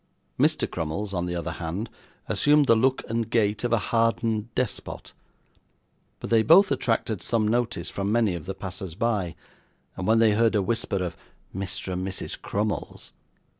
Mr. Crummles, on the other hand, assumed the look and gait of a hardened despot; but they both attracted some notice from many of the passers by, and when they heard a whisper of 'Mr. and Mrs. Crummles!